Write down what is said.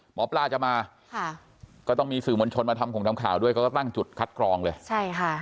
หมอปลาจะมาก็ต้องมีสื่อมวลชนมาทำข่าวด้วยก็ตั้งจุดคัดกรองเลย